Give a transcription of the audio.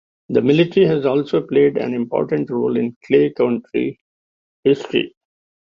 The military has also played an important role in Clay County history.